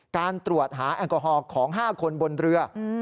การตรวจหาแอลกอฮอล์ของ๕คนบนเรือ